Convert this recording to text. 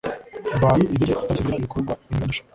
by indege za gisivili n ibikorwa binyuranyije